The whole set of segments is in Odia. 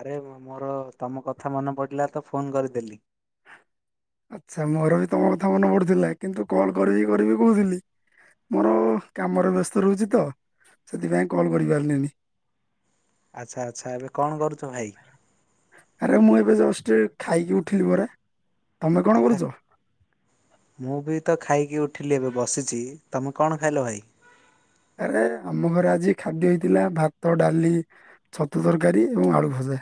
ଆରେ ମୋର ତମ କଥା ମନେ ପଡିଲା ତ ଫୋନ କରିଦେଲି। ଆଚ୍ଛା ମୋର ବି ତମ କଥା ମନେ ପଡୁଥିଲା କିନ୍ତୁ କଲ୍ କରିବି କରିବି କହୁଥିଲି ମୋର କାମରେ ବ୍ୟସ୍ତ ରହୁଛି ତ ସେଥିପାଇଁ କଲ୍ କରିପାରିଲିନି। ଆଚ୍ଛା ଆଚ୍ଛା ଏବେ କଣ କରୁଛୁ ଭାଇ। ଆରେ ମୁଁ ଏବେ ଜଷ୍ଟ ଖାଇକି ଉଠିଲି ପରା। ତମେ କଣ ଆଚ୍ଛା କରୁଛ ଥା ମୁଁ ବି ତ ଖାଇକି ଉଠିଲି ଏବେ ବସିଛି ତମେ କଣ ଖାଇଲ ଭାଇ ଆରେ ଆମ ଘରେ ଆଜି ଖାଦ୍ୟ ହେଇଥିଲା ଭାତ ଡାଲି ଛତୁ ତରକାରୀ ଏବଂ ଆଳୁ ଭଜା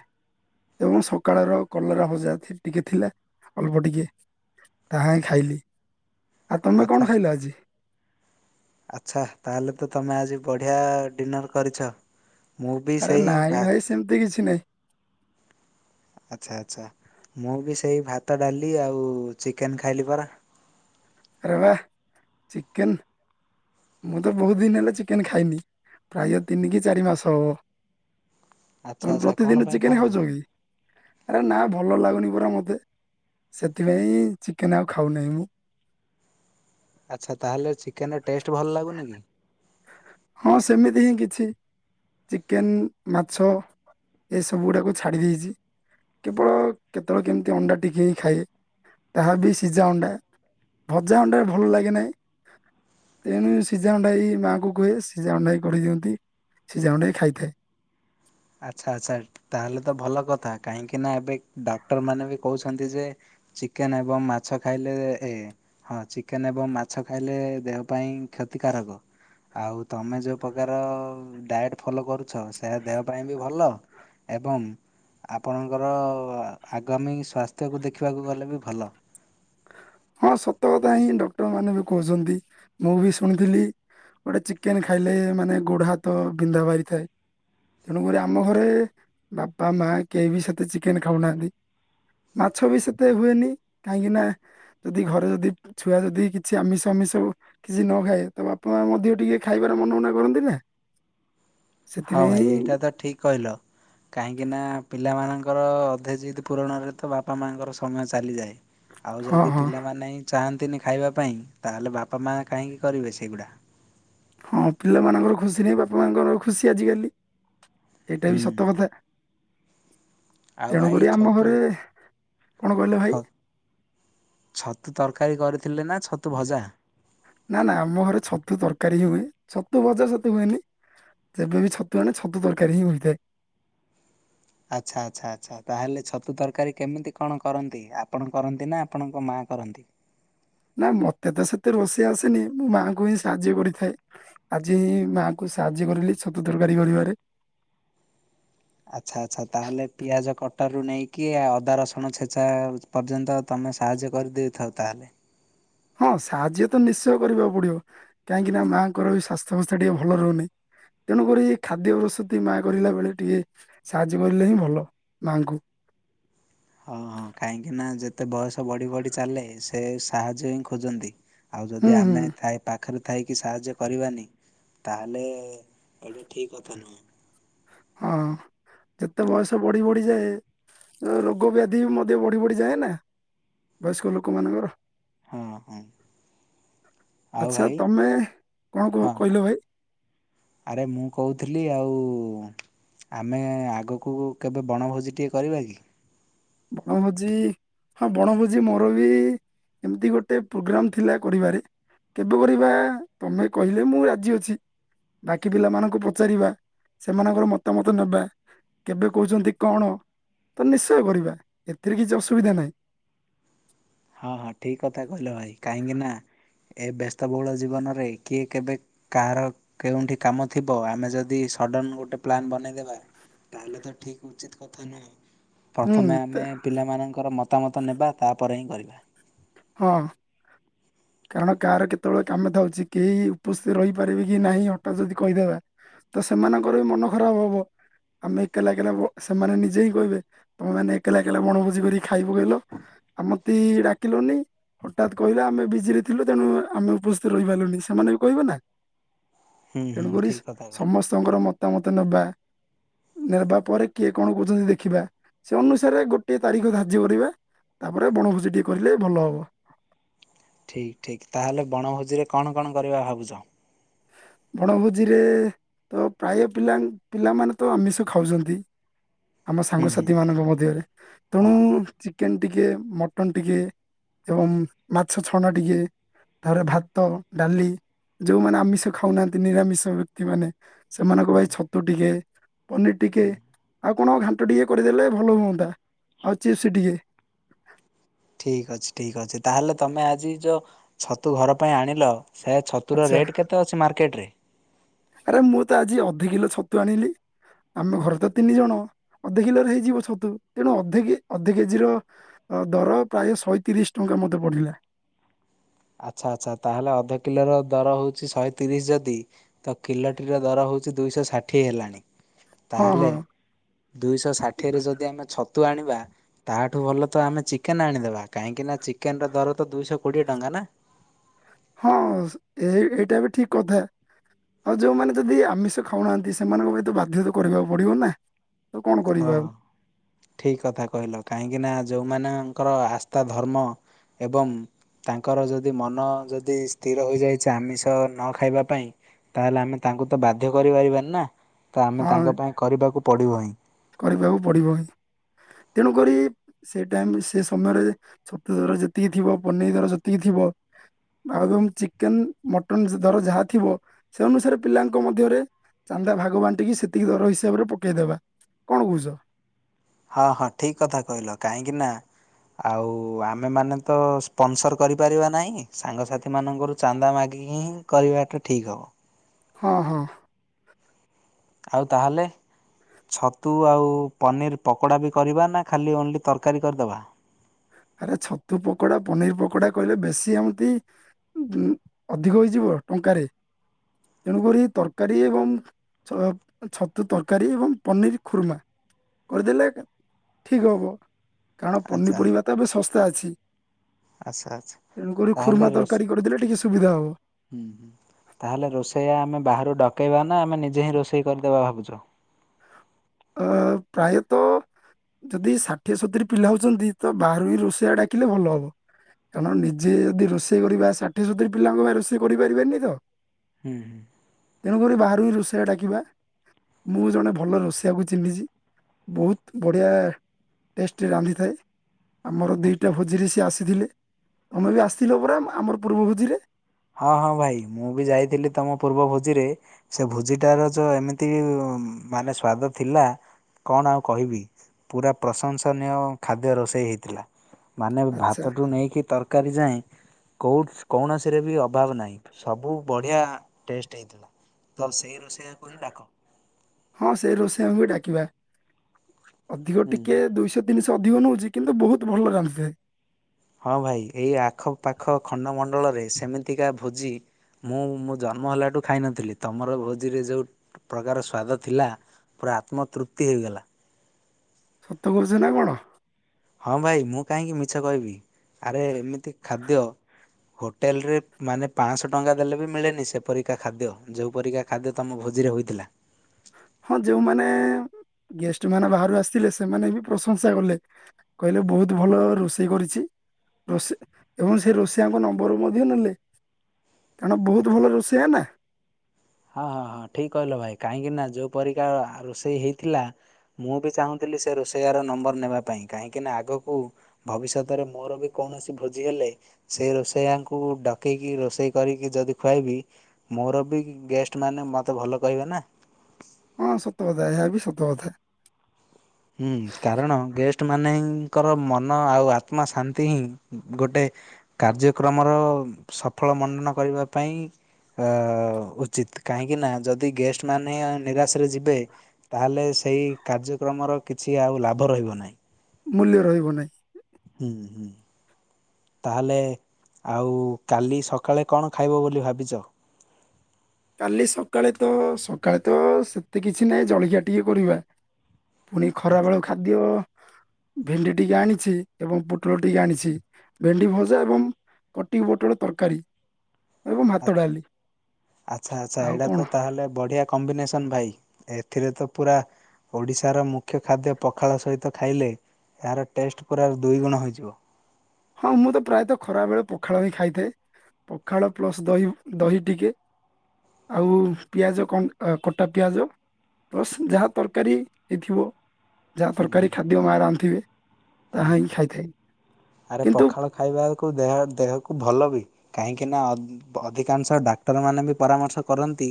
ଏବଂ ସକାଳର କଲରା ଭଜା ଟିକେ ଥିଲା ଅଳ୍ପ ଟିକେ ତାହା ହିଁ ଖାଇଲି। ଆଉ ତମେ ଆଚ୍ଛା କଣ ଖାଇଲ ଆଜି? ଆଚ୍ଛା ତାହେଲେ ତ ତମେ ଆଜି ବଢିଆ ଡିନର କରିଛ? ମୁଁ ବି ଆରେ ସେଇ ନାଇଁ ଭା ଭାଇ ସେମିତି କିଛି ନାଇଁ। ଆଚ୍ଛା ଆଚ୍ଛା ମୁଁ ବି ସେଇ ଭାତ ଡାଲି ଆଉ ଚିକେନ ଖାଇଲି ପରା। ଆରେ ବାଃ ଚିକେନ ମୁଁ ତ ବହୁତ ଦିନ ହେଲେ ଚିକେନ ଖାଇନି ପ୍ରାୟ ତିନି କି ଚାରି ମାସ ହବ। ଆଚ୍ଛା ତମେ ଆଚ୍ଛା କଣ ପ୍ରତିଦିନ ପାଇଁ ଚିକେନ ଖାଉନ? ଖାଉଛ କି? ଆରେ ନା ଭଲ ଲାଗୁନି ପରା ମତେ। ସେଥିପାଇଁ ଚିକେନ ଆଉ ଖାଉନାହିଁ ମୁଁ। ଆଚ୍ଛା ତାହେଲେ ଚିକେନ୍ ଟେଷ୍ଟ ଭଲ ଲାଗୁନି କି? ହଁ ସେମିତି ହିଁ କିଛି। ଚିକେନ, ମାଛ ଏସବୁଗୁଡ଼ାକୁ ଛାଡ଼ି ଦେଇଛି। କେବଳ କେତେବେଳେ କେମିତି ଅଣ୍ଡା ଟିକି ହିଁ ଖାଏ। ତାହା ବି ସିଝା ଅଣ୍ଡା, ଭଜା ଅଣ୍ଡା ଭଲ ଲାଗେନାହିଁ। ତେଣୁ ସିଝା ଅଣ୍ଡା ଏଇ ମାଆଙ୍କୁ ଙ୍କୁ କୁହେ ସିଝା ଅଣ୍ଡାଇ କରି ଦିଅନ୍ତି। ସିଝା ଅଣ୍ଡାଇ ଖାଇଥାଏ। ଆଚ୍ଛା ଆଚ୍ଛା ତାହେଲେ ତ ଭଲ କଥା କାହିଁକିନା ଏବେ ଡାକ୍ଟରମାନେ ବି କହୁଛନ୍ତି ଯେ ଚିକେନ ଏବଂ ମାଛ ଖାଇଲେ ଏ ହଁ ଚିକେନ ଏବଂ ମାଛ ଖାଇଲେ ଦେହ ପାଇଁ କ୍ଷତିକାରକ। ଆଉ ତମେ ଯୋଉ ପ୍ରକାର ଡାଏଟ୍ ଫଲୋ କରୁଛ ସେରା ଦେହ ହ ପାଇଁ ବି ଭଲ ଏବଂ ଆପଣଙ୍କର ଆଗାମୀ ସ୍ୱାସ୍ଥ୍ୟକୁ ଦେଖିବାକୁ ଗଲେ ବି ଭଲ। ହଁ ସତ କଥା ହିଁ ଡକ୍ଟର ମାନେ ବି କହୁଛନ୍ତି। ମୁଁ ବି ଶୁଣିଥିଲି ଗୋଟେ ଚିକେନ ଖାଇଲେ ମାନେ ଗୋଡ ହାତ ବିନ୍ଧା ବାହାରିଥାଏ। ତେଣୁକରି ଆମ ଘରେ ବାପା ମା କେହି ବି ସେତେ ଚିକେନ ଖାଉନାହାନ୍ତି। ମାଛ ବି ସେତେ ହୁଏନି କାହିଁକି ନା ଯଦି ଘରେ ଯଦି ଛୁଆ ଯଦି କିଛି ଆମିଷ ହାମିଷ କିଛି ନ ଖାଇବେ ତ ବାପା ମା ମଧ୍ୟ ଟିକେ ଖାଇବାରେ ମନ ଉଣା କରନ୍ତି ନା? ହଁ ସେଥିପାଇଁ ଭାଇ ଏଇଟା ତ ଠିକ କହିଲ। କାହିଁକି ନା ପିଲାମାନଙ୍କ ମୋର ଅଧା ଜିଦ ପୂରଣରେ ତ ବାପା ମାଆଙ୍କର ସମୟ ଚାଲିଯାଏ। ଆଉ ହଁ ଯଦି ହଁ ପିଲାମାନେ ହିଁ ଚାହା ନ୍ତିନି ଖାଇବା ପାଇଁ ତାହେଲେ ବାପା ମା କାହିଁକି କରିବେ ସେଇଗୁଡା? ହଁ ପିଲାମାନଙ୍କର ଖୁସିରେ ହିଁ ବାପା ମାଙ୍କର ଖୁସି ଆଜିକାଲି। ଏଇଟା ବି ହୁଁ ସତ କଥା। ଆଉ ଭାଇ ତେଣୁକରି ଆମ ଛତୁ ଘରେ କଣ କହିଲେ ଛ ଭାଇ? ଛତୁ ତରକାରୀ କରି ଥିଲେ ନା ଛତୁ ଭଜା? ନା ନା ଆମ ଘରେ ଛତୁ ତରକାରୀ ହିଁ ହୁଏ। ଛତୁ ଭଜା ସେତେ ହୁଏନି। ଯେବେବି ଛତୁ ଆଣେ ଛତୁ ତରକାରୀ ହିଁ ହୋଇଥାଏ। ଆଚ୍ଛା ଆଚ୍ଛା ଆଚ୍ଛା। ତାହେଲେ ଛତୁ ତରକାରୀ କେମିତି କଣ କରନ୍ତି? ଆପଣ କରନ୍ତି ନା ଆପଣଙ୍କ ମାଆ କରନ୍ତି? ନାଇଁ ମତେ ତ ସେତେ ରୋଷେଇ ଆସେନି ମୁଁ ମାଙ୍କୁ ହିଁ ସାହାଯ୍ୟ କରିଥାଏ। ଆଜି ମାଙ୍କୁ ସାହାଯ୍ୟ କରିଲି ଛତୁ ତରକାରୀ କରିବାରେ। ଆଚ୍ଛା ଆଚ୍ଛା ତାହେଲେ ପିଆଜ କଟାରୁ ନେଇକି ଅଦା, ରସୁଣ ଛେଚା ପର୍ଯ୍ୟନ୍ତ ତମେ ସାହାଯ୍ୟ କରିଦେଇଥାଅ ତାହେଲେ? ହଁ ସାହାଯ୍ୟ ତ ନିଶ୍ଚୟ କରିବାକୁ ପଡିବ। କାହିଁକି ନା ମାଆଙ୍କର ବି ସ୍ୱାସ୍ଥ୍ୟବସ୍ଥା ଟିକେ ଭଲ ରହୁନି। ତେଣୁକରି ଖାଦ୍ୟ ପ୍ରସୁତି ମାଆ କରିଲା ବେଳେ ଟିକେ ସାହାଯ୍ୟ କରିଲେ ହିଁ ଭଲ ମାଆଙ୍କୁ। ହଁ ହଁ। କାହିଁକି ନା ଯେତେ ବୟସ ବଢି ବଢି ଚାଲେ ସେ ସାହାଯ୍ୟ ହିଁ ଖୋଜନ୍ତି। ଆଉ ହୁଁ ଯଦି ହୁଁ ଆମେ ଥାାଇ ପାଖରେ ଥାଇକି ସାହାଯ୍ୟ କରିବାନି ତାହେଲେ ଏଇଟା ଠିକ କଥା ନୁହଁ। ହଁ ଯେତେ ବୟସ ବଢି ବଢିଯାଏ ରୋଗ ବ୍ୟାଧି ମଧ୍ୟ ବଢି ବଢିଯାଏ ନା ବୟସ୍କ ଲୋକମାନଙ୍କର? ହଁ ହଁ। ଆଉ ଆଚ୍ଛା ଭାଇ ତମେ କଣ କ ହଁ କହିଲ ଭାଇ ଆରେ ମୁଁ କହୁଥିଲି ଆଉ ଆମେ ଆଗକୁ କେବେ ବଣଭୋଜି ଟିକେ କରିବା କି? ବଣଭୋଜି ହଁ ବଣଭୋଜି ମୋର ବି ଏମିତି ଗୋଟେ ପ୍ରୋଗ୍ରାମ ଥିଲା କରିବାରେ। କେବେ କରିବା ତମେ କହିଲେ ମୁଁ ରାଜି ଅଛି। ବାକି ପିଲାମାନଙ୍କୁ ପଚାରିବା, ସେମାନଙ୍କର ମତାମତ ନେବା। କେବେ କହୁଛନ୍ତି କଣ ତ ନିଶ୍ଚୟ କରିବା। ଏଥିରେ କିଛି ଅସୁବିଧା ନାହିଁ। ହଁ ହଁ ଠିକ କଥା କହିଲ ଭାଇ। କାହିଁକି ନା ଏ ବ୍ୟସ୍ତବହୁଳ ଜୀବନରେ କିଏ କେବେ କାହାର କେଉଁଠି କାମ ଥିବ ଆମେ ଯଦି ସଡ଼ନ ଗୋଟେ ପ୍ଲାନ୍ ବନେଇଦବା ତାହେଲେ ତ ଠିକ ଉଚିତ କଥା ନୁହେଁ। ହୁଁ ପ୍ରଥମେ ଆମେ ତେ- ପିଲାମାନଙ୍କର ମତାମତ ନେବା ତା ପରେହିଁ କରିବା। ହଁ କାରଣ କାହାର କେତେବେଳେ କାମ ଥାଉଛି। କେହି ଉପସ୍ଥିତି ରହିପାରିବେ କି ନାହିଁ ହଠାତ୍ ଯଦି କହିଦେବା ତ ସେମାନଙ୍କର ବି ମନ ଖରାପ ହବ। ଆମେ ଏକେଲା ଏକେଲା ଭୋ-ସେମାନେ ନିଜେ ହିଁ କହିବେ ତମେମାନେ ଏକେଲା ଏକେଲା ବଣଭୋଜି କରି ଖାଇ ପକେଇଲ ଆମତି ଡାକିଲନି। ହଠାତ୍ କହିଲେ ଆମେ ବିଜିରେ ଥିଲୁ ତେଣୁ ଆମେ ଉପସ୍ଥିତ ରହିପାରିଲୁନି। ସେମାନେ ବି କହିବେ ନା? ହୁଁ ହୁଁ ତେଣୁକରି ଠିକ କଥା କହିଲ ସମସ୍ତଙ୍କର ମ ତା ମତ ନବା। ନେବା ପରେ କିଏ କଣ କହୁଛନ୍ତି ଦେଖିବା। ସେ ଅନୁସାରେ ଗୋଟିଏ ତାରିଖ ଧାର୍ଯ୍ୟ କରିବା ତାପରେ ବଣଭୋଜି ଟିଏ କରିଲେ ଭଲ ହବ। ଠିକ୍ ଠିକ୍ ତାହେଲେ ବଣଭୋଜିରେ କଣ କଣ କରିବା ଭାବୁଛ? ବଣଭୋଜିରେ ତ ପ୍ରାୟ ପିଲା ପିଲାମାନେ ତ ଆମିଷ ଖାଉଛନ୍ତି। ଆମ ହୁଁ ହୁଁ ସାଙ୍ଗସାଥି ମାନଙ୍କ ମଧ୍ୟରେ ହଁ ତେଣୁ ହଁ। ଚିକେନ ଟିକେ ମଟନ ଟିକେ ଏବଂ ମାଛ ଛଣା ଟିକେ ତାପରେ ଭାତ ଡାଲି ଯୋଉମାନେ ଆମିଷ ଖାଉନାହାନ୍ତି ନିରାମିଷ ବ୍ୟକ୍ତିମାନେ ସେମାନଙ୍କ ଭାଇ ଛତୁ ଟିକେ। ପନିର ଟିକେ ଆଉ। କଣ ଘାଣ୍ଟ ଟିକେ କରିଦେଲେ ଭଲ ହୁଅନ୍ତା ଆଉ ଚିପ୍ସ ଟିକେ। ଠିକ ଅଛି ଠିକ ଅଛି ତାହେଲେ ତମେ ଆଜି ଯୋଉ ଛତୁ ଘର ପାଇଁ ଆଣିଲ? ସେ ଛତୁର ଆଚ୍ଛା ରେଟ୍ କେତେ ଅଛି ମାର୍କେଟ ରେ? ଆରେ ମୁଁ ତ ଆଜି ଅଧ କିଲୋ ଛତୁ ଆଣିଲି ଆମ ଘରେ ତ ତିନି ଜଣ ଅଧ କିଲୋରେ ହେଇଯିବ ଛତୁ ତେଣୁ ଅଧ ଅଧ କେଜି ର ଦର ପ୍ରାୟ ଶହେ ତିରିଶ ଟଙ୍କା ମତେ ପଡିଲା। ଆଚ୍ଛା ଆଚ୍ଛା ତାହେଲେ ଅଧ କିଲୋର ଦର ହଉଛି ଶହେ ତିରିଶ ଯଦି ତ କିଲୋଟିର ଦର ହଉଛି ଦୁଇଶହ ଷାଠିଏ ହେଲାଣି? ହଁ ତାହେଲେ ହଁ ଦୁଇଶହ ଷାଠିଏରେ ଯଦି ଆମେ ଛତୁ ତୁ ଆଣିବା ତାଠୁ ଭଲ ତ ଆମେ ଚିକେନ ଆଣିଦେବା କାହିଁକି ନା ଚିକେନ ର ଦର ତ ଦୁଇଶହ କୋଡିଏ ଟଙ୍କା ନା? ହଁ ଏ ଏଇଟା ବି ଠିକ କଥା ଆଉ ଯୋଉମାନେ ଯଦି ଆମିଷ ଖାଉନାହାନ୍ତି ସେମାନଙ୍କ ପାଇଁ ତ ବାଧ୍ୟତା କରିବାକୁ ପଡିବ ନା। ତ କଣ ହଁ କରିବା ଆଉ ଠିକ କଥା କହିଲ କାହିଁକି ନା। ଯେଉଁମାନଙ୍କର ଆସ୍ଥା ଧର୍ମ ଏବଂ ତାଙ୍କର ଯଦି ମନ ଯଦି ସ୍ଥିର ହୋଇଯାଇଛି ଆମିଷ ନ ଖାଇବା ପାଇଁ ତାହେଲେ ଆମେ ତାଙ୍କୁ ତ ବାଧ୍ୟ କରିପାରିବାନି ନା। ତ ଆମେ ହଁ ତାଙ୍କ ପାଇଁ କରିବାକୁ ପଡିବ ହିଁ। କରିବାକୁ ପଡ଼ିବ ହି ତେଣୁକରି ସେ ଟାଇମ ସେ ସମୟରେ ଛୋତୁ ଦର ଯେତିକି ଥିବ ପନିର ଦର ଯେତିକି ଥିବ ଆଉ ଏବଂ ଚିକେନ ମଟନ ଦର ଯାହା ଥିବ ସେ ଅନୁସାରେ ପିଲାଙ୍କ ମଧ୍ୟରେ ଚାନ୍ଦା ଭାଗ ବାନ୍ଟିକି ସେତିକି ଦର ହିସାବରେ ପକେଇଦବା କଣ ବୁଝ ହଁ ହଁ ଠିକ କଥା କହିଲ କାହିଁକି ନା ଆଉ ଆମେମାନୋନ ତ ସ୍ପନସର କରିପାରିବା ନାହିଁ ସାଙ୍ଗସାଥି ମାନଙ୍କରୁ ଚାନ୍ଦା ମାଗିକି ହିଁ କରିବାଟା ଠିକ ହବ। ହଁ ହଁ। ଆଉ ତାହେଲେ ଛତୁ ଆଉ ପନିର୍ ପକୋଡ଼ା ବି କରିବା ନା ଖାଲି ଓନ୍ଲି ତରକାରୀ କରିଦେବା ଆରେ ଛତୁ ପକୋଡା ପନିର ପକୋଡା କହିଲେ ବେଶୀ ଏମିତି ଅଧିକ ହେଇଯିବ ଟଙ୍କାରେ ତେଣୁକରି ତରକାରୀ ଏବଂ ଛତୁ ତରକାରୀ ଏବଂ ପନିର ଖୁର୍ମା କରିଦେଲେ ଠିକ ହବ। କାରଣ ପନିପରିବା ତବେ ଶସ୍ତା ଅଛି। ଆଛା ଆଛା ତେଣୁକରି ତାହଲେ ଖୁର୍ମା ରସ ତରକାରୀ କରିଦେଲେ ଟିକେ ସୁବିଧା ହବ ହୁଁ ହ ତାହେଲେ ରୋଷେଇଆ ଆମେ ବାହାରୁ ଡକେଇବା ନା ଆମେ ନିଜେ ହିଁ ରୋଷେଇ କରିଦବା ଭାବୁଛ ଅ ପ୍ରାୟତଃ ଯଦି ଷାଠିଏ ସତୁୁରୀ ପିଲା ହଉଛନ୍ତି ତ ବାହରୁ ହି ରୋଷେୟା ଡାକିଲେ ଭଲ ହବ କାରଣ ନିଜେ ଯଦି ରୋଷେଇ କରିବା ଷାଠିଏ ସତୁରି ପିଲାଙ୍କ ବା ରୋଷେଇ କରିପାରିବନି ତ ହୁଁ ହୁଁ। ଆ ରୋଷେଇଆ ଡାକିବା ମୁଁ ଜଣେ ଭଲ ରୋଷେଇ କୁ ଚିିନିଛି ବହୁତ ବଢ଼ିଆ ଟେଷ୍ଟ ରାନ୍ଧିଥାଏ। ଆମର ଦିଇଟା ଭୋଜିରେ ସିଏ ଆସିଥିଲେ ତମେ ବି ଆସିଥିଲ ପୁରା ଆମର ପୂର୍ବ ଭୋଜିରେ ହଁ ହଁ ଭାଇ ମୁଁ ବି ଯାଇଥିଲି ତମ ପୂର୍ବ ଭୋଜିରେ ସେ ଭୋଜିଟାର ଯଉ ଏମିତି ମାନେ ସ୍ଵାଦ ଥିଲା କଣ ଆଉ କହିବି ପୁରା ପ୍ରଶଂସନୀୟ ଖାଦ୍ୟ ରୋଷେଇ ହେଇଥିଲା। ମାନେ ଆଚ୍ଛା ଭାତଠୁ ନେଇକି ତରକାରୀ ଯାଏଁ। କୋଉ କଣ ଆସି ରେ ବି ଅଭାବ ନାହି ସବୁ ବଢ଼ିଆ ଟେଷ୍ଟ ହେଇଥିଲା। ରୋଷେଇଆକୁ ହିଁ ଡାକ। ହଁ ସେଇ ରୋଷେଇଆ ଆମ ବି ଡାକିବା ଅଧିକ ହୁଁ। ଟିକେ ଦୁଇଶ ଜିନିଷ ଅଧିକ ନେଉଛି କିନ୍ତୁ ବହୁତ ଭଲ ଜାଣିଥାଏ। ହଁ ଭାଇ ଏଇ ଆଖପାଖ ଖଣ୍ଡମଣ୍ଡଳରେ ସେମିତିକା ଭୋଜି ମୁଁ ମୋ ଜନ୍ମ ହେଲାଠୁ ଖାଇନଥିଲି ତମର ଭୋଜିରେ ଯେଉଁ ପ୍ରକାର ସ୍ୱାଦ ଥିଲା ପୁରା ଆତ୍ମତୃପ୍ତି ହୋଇଗଲା। ସତ କହୁଛ ନା କଣ? ହଁ ଭାଇ ମୁଁ କାହିଁକି ମିଛ କହିବି ଆରେ ଏମିତି ଖାଦ୍ୟ ହୋଟେଲରେ ମାନେ ପାଞ୍ଚଶହ ଟଙ୍କା ଦେଲେ ବି ମିଳେନି ସେପରିକା ଖାଦ୍ୟ ଯେଉଁପରିକା ଖାଦ୍ୟ ତମ ଭୋଜିରେ ହୋଇଥିଲା। ହଁ ଯୋଉମାନେ ଗେଷ୍ଟ ମାନ ବାହାରୁ ଆସିଥିଲେ ସେମାନେ ବି ପ୍ରଶଂସା କଲେ କହିଲେ ବହୁତ ଭଲ ରୋଷେଇ କରିଛି ରୋଷେଇ ଏବଂ ସେ ରୋଷେଇଆଙ୍କ ନମ୍ବର ମଧ୍ୟ ନେଲେ କାରଣ ବହୁତ ଆଚ୍ଛା ଭଲ ରୋଷେଇଆ ନା ହଁ ହଁ ହଁ ଠିକ କହିଲ ଭାଇ କାହିଁକିନା ଯେଉଁ ପରିକା ରୋଷେଇ ହେଇଥିଲା ମୁଁ ବି ଚାହୁଁଥିଲି ସେ ରୋଷେଇଆାର ନମ୍ବର ନେବା ପାଇଁ କାହିଁକିନା ଆଗକୁ ଭବିଷ୍ୟତରେ ମୋର ବି କୌଣସି ଭୋଜି ହେଲେ ସେ ରୋଷେଇଆଙ୍କୁ ଡକେଇକି ରୋଷେଇ କରିକି ଯଦି ଖୁଆଇବି ମୋର ବି ଗେଷ୍ଟମାନୋନେ ମୋତେ ଭଲ କହିବେ ନା ହଁ ସତ କଥାଏ ଏହା ବି ସତ କଥାଏ। ହୁଁ କାରଣ ଗେଷ୍ଟ ମାନେ ତାଙ୍କର ମନ ଆଉ ଆତ୍ମା ଶାନ୍ତି ହିଁ ଗୋଟେ କାର୍ଯ୍ୟକ୍ରମର ସଫଳ ମଣ୍ଡନ କରିବା ପାଇଁ ଉଚିତ୍ କାହିଁକିନା ଯଦି ଗେଷ୍ଟମାନୋନେ ନିରାଶରେ ଯିବେ ତାହେଲେ ସେଇ କାର୍ଯ୍ୟକ୍ରମର କିଛି ଆଉ ଲାଭ ରହିବ ନାହିଁ। ମୂଲ୍ୟ ରହିବ ନାହିଁ। ହୁ ହୁ ତାହେଲେ ଆଉ କାଲି ସକାଳେ କ ଣ ଖାଇବ ବୋଲି ଭାବିଛ କାଲି ସକାଳେ ତ ସକାଳେ ତ ସେତେ କିଛି ନାହିଁ ଜଳଖିଆ ଟିକେ କରିବା ପୁଣି ଖରା ଆଚ୍ଛା ବେଳକୁ ଖାଦ୍ୟ ଭେଣ୍ଡି ଟିକେ ଆଣିଛି ଏବଂ ପୋଟଳ ଟିକେ ଆଣିଛି ଭେଣ୍ଡି ଭଜା ଏବଂ କଟି ପୋଟଳ ତରକାରୀ ଏବଂ ଆଚ୍ଛା। ଭାତ ଡାଲି ଆଚ୍ଛା ଆଚ୍ଛା ଆଉ ଏଇଟା କଣ ତ ତାହେଲେ ବଢ଼ିଆ କମ୍ବିନେସନ୍ ଭାଇ। ଏଥିରେ ତ ପୁରା ଓଡିଶାର ମୁଖ୍ୟ ଖାଦ୍ୟ ପଖାଳ ସହିତ ଖାଇଲେ ଏହାର ଟେଷ୍ଟ ପୁରା ଦୁଇଗୁଣ ହେଇଯିବ। ହଁ ମୁଁ ତ ପ୍ରାୟତଃ ଖରାବେେଳେ ପଖାଳ ହିଁ ଖାଇଥାଏ ପଖାଳ ପ୍ଲସ ଦହି ଦହି ଟିକେ ଆଉ ପିଆଜ କଣ କଟା ପିଆଜ ପ୍ଲସ୍ ଯାହା ତରକାରୀ ହେଇଥିବ। ଯାହା ତରକାରୀ ଖାଦ୍ୟ ମା ରାନ୍ଧି ଥିବେ। ତାହା ହିଁ ଖାଇଥାଏ। ଆରେ କିନ୍ତୁ ପଖାଳ ଖାଇବାକୁ ଦେହ ଦେହକୁ ଭଲ କାହିଁକି ନା ଅଧିକାଂଶ ଡାକ୍ତର ମାନଙ୍କ ପରାମର୍ଶ କରନ୍ତି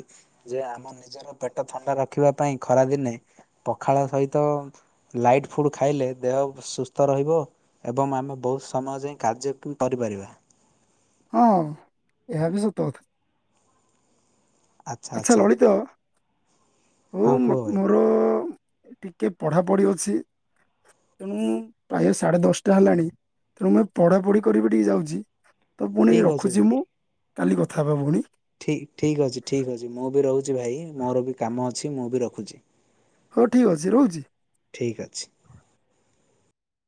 ଯେ ଆମ ନିଜର ପେଟ ଥଣ୍ଡା ରଖିବା ପାଇଁ ଖରା ଦିନେ ପଖାଳ ସହିତ ଲାଇଟ୍ ଫୁଡ୍ ଖାଇଲେ ଦେହ ସୁ ତ ରହିବ ଏବଂ ଆମେ ବହୁତ ସମୟ ଯାଇ କାର୍ଯ୍ୟ କରିପାରିବା। ହଁ ଏହା ବି ସତ କଥା। ଆଚ୍ଛା ଆଚ୍ଛା ହଉ ହଁ କୁହ ଭାଇ ମୋର ଟିକେ ପଢାପଢି ଅଛି ତେଣୁ ପ୍ରାୟେ ସାଢେ ଦଶଟା ହେଲାଣି ତେଣୁ ମୁଁ ପଢାପଢି କରିବି ଟିକେ ଯାଉଛି। ତ ପୁଣି ଠିକ୍ ରଖୁଛି ମୁଁ। କାଲି କଥା ହେବ ପୁଣି। ଠିକ ଠିକ ଅଛି ଠିକ ଅଛି। ମୁଁ ବି ରହୁ ଭାଇ ମୋର ବି କାମ ଅ ଅଛି ମୁଁ ବି ରଖୁଛି। ହଉ ଠିକ୍ ଅଛି ରହୁଛି। ଠିକ ଅଛି।